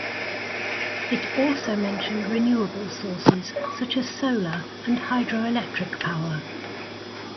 It also mentioned renewable sources such as solar and hydroelectric power.